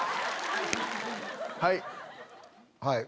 はい。